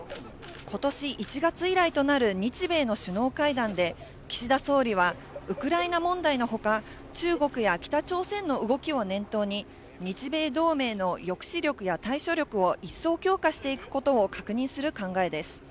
ことし１月以来となる日米の首脳会談で、岸田総理はウクライナ問題のほか、中国や北朝鮮の動きを念頭に、日米同盟の抑止力や対処力を一層強化していくことを確認する考えです。